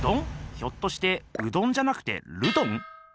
ひょっとしてうどんじゃなくてルドン？